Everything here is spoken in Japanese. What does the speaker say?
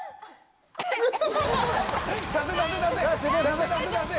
・出せ出せ出せ！